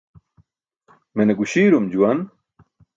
Mene guśiirum juwan.